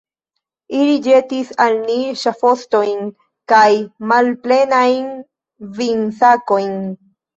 Ili ĵetis al ni ŝafostojn kaj malplenajn vinsakojn.